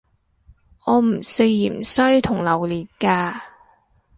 我唔食芫茜同榴連架